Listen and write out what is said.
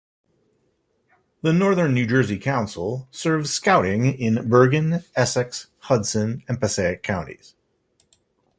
The Northern New Jersey Council serves Scouting in Bergen, Essex, Hudson and Passaic counties.